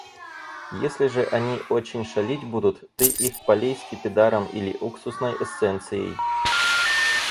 Если же они очень шалить будут, ты их полей скипидаром или уксусной эссенцией.